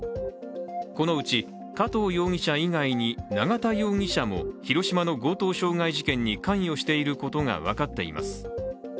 このうち加藤容疑者以外に永田容疑者も広島の強盗傷害事件に関与していることが分かっています。